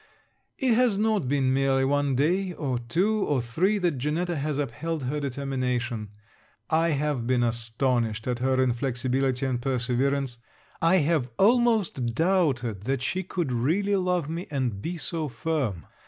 It has not been merely one day, or two, or three, that Janetta has upheld her determination. I have been astonished at her inflexibility and perseverance. I have almost doubted that she could really love me and be so firm.